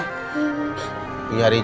punya rizky dihamur hamurin buat selingkuh